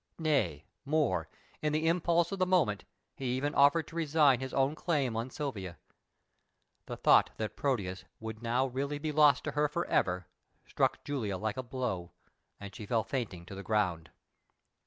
Nay, more, in the impulse of the moment he even offered to resign his own claim on Silvia. The thought that Proteus would now really be lost to her for ever, struck Julia like a blow, and she fell fainting to the ground.